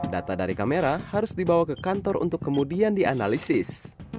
data dari kamera harus dibawa ke kantor untuk kemudian dianalisis